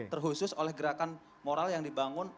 terkhusus oleh gerakan moral yang dibangun